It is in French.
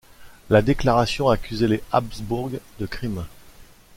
La déclaration accusait les Habsbourg de crimes.